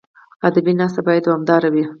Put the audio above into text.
ادبي ناسته باید دوامداره وي.